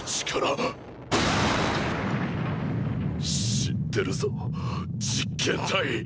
知ってるぞ実験体。